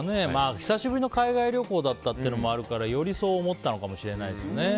久しぶりの海外旅行だったというのもあるからより、そう思ったのかもしれないですね。